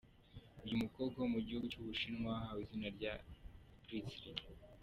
Uyu mukobwa wo mu gihugu cy’ u Bushinwa wahawe izina rya Grisly.